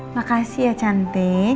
makasih ya cantik